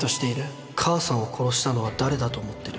母さんを殺したのは誰だと思ってる？